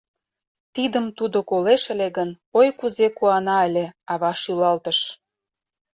— Тидым тудо колеш ыле гын, ой, кузе куана ыле, — ава шӱлалтыш.